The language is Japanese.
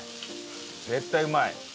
絶対うまい。